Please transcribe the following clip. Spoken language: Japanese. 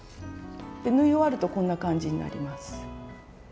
縫い終わるとこんな感じになります。